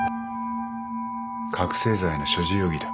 覚醒剤の所持容疑だ。